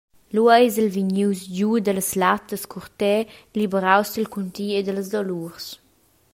Lu eis el vegnius giu dallas lattas-curter, liberaus dil cunti e dallas dolurs.